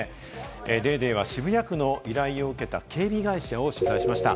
『ＤａｙＤａｙ．』は渋谷区の依頼を受けた警備会社を取材しました。